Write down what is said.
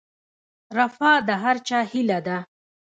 رفاه د هر چا هیله ده